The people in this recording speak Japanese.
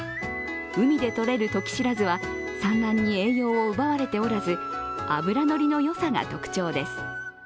海でとれるときしらずは、産卵に栄養を奪われておらず脂のりのよさが特徴です。